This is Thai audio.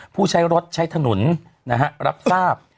ผู้ใช้รถใช้ถนนรับทราบ